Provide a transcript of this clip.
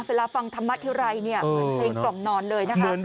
เวลาฟังธรรมะที่ไรเนี่ยเห็นกล่องนอนเลยนะครับ